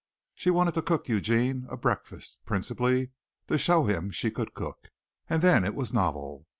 She wanted to cook Eugene a breakfast principally to show him she could cook and then it was novel.